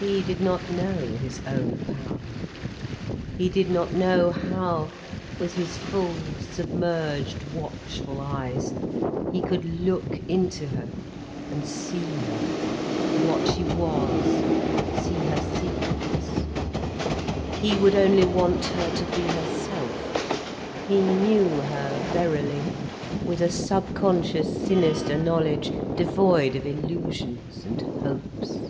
He did not know his own power. He did not know how, with his full, submerged, watchful eyes, he could look into her and see her, what she was, see her secrets. He would only want her to be herself—he knew her verily, with a subconscious, sinister knowledge, devoid of illusions and hopes.